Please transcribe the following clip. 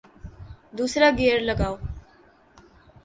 دوسرا گیئر لگاؤ